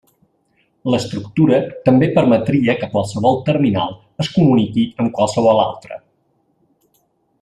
L'estructura també permetria que qualsevol terminal es comuniqui amb qualsevol altre.